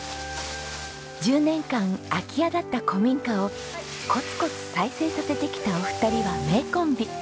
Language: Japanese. １０年間空き家だった古民家をコツコツ再生させてきたお二人は名コンビ。